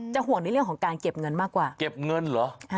ห่วงในเรื่องของการเก็บเงินมากกว่าเก็บเงินเหรอ